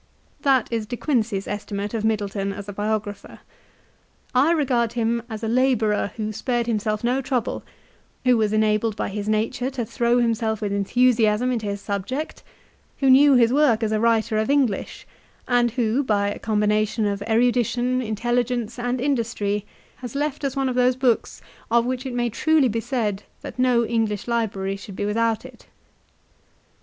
That is De Quincey's estimate of Middleton as a biographer. I regard him as a labourer who spared him self no trouble, who was enabled by his nature to throw himself with enthusiasm into his subject, who knew his work as a writer of English, and who, by a combination of erudition, intelligence, and industry, has left us one of those books of which it may truly be said that no English library should be without it.